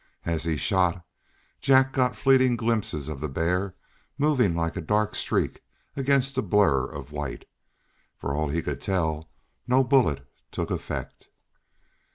As he shot, Jack got fleeting glimpses of the bear moving like a dark streak against a blur of white. For all he could tell no bullet took effect.